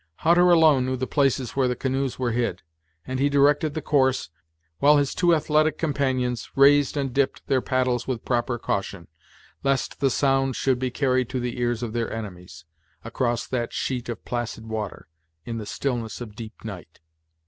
Hutter alone knew the places where the canoes were hid, and he directed the course, while his two athletic companions raised and dipped their paddles with proper caution, lest the sound should be carried to the ears of their enemies, across that sheet of placid water, in the stillness of deep night.